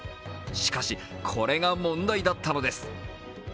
しかし、これが問題だったのです。